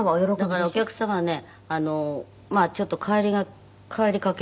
「だからお客様ねちょっと帰りかけますね」